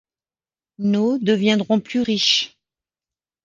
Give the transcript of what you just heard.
Nos deviendrons plus riches.